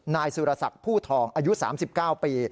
นายสุรศักดิ์ผู้ทองอายุ๓๙ปี